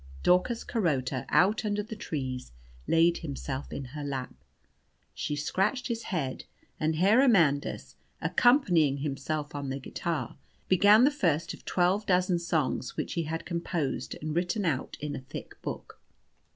Daucus Carota, out under the trees, laid himself in her lap, she scratched his head, and Herr Amandus, accompanying himself on the guitar, began the first of twelve dozen songs which he had composed and written out in a thick book.